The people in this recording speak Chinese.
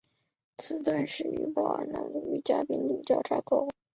此段始于宝安南路与嘉宾路交叉口。